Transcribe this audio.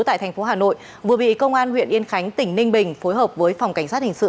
tại thành phố hà nội vừa bị công an huyện yên khánh tỉnh ninh bình phối hợp với phòng cảnh sát hình sự